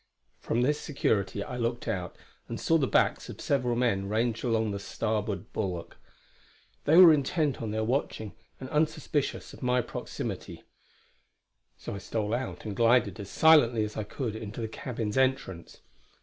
From this security I looked out, and saw the backs of several men ranged along the starboard bulwark. They were intent on their watching, and unsuspicious of my proximity; so I stole out and glided as silently as I could into the cabin's entrance.